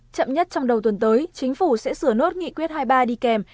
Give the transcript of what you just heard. chậm nhất trong đầu tuần tới chính phủ sẽ sửa nốt nghị quyết hai mươi ba đi kèm